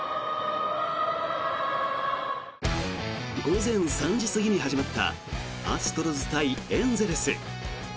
午前３時過ぎに始まったアストロズ対エンゼルス。